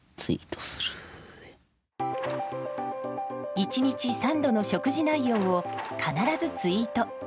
１日３度の食事内容を必ずツイート。